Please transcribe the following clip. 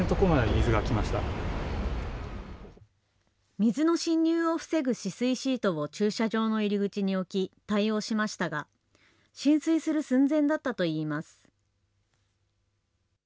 水の侵入を防ぐ止水シートを駐車場の入り口に置き対応しましたが、浸水する寸前だったといいます。